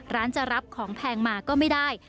ร้านจะรับของแพงมาก็ไม่ได้